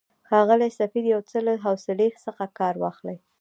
ښاغلی سفیر، یو څه له حوصلې څخه کار واخلئ.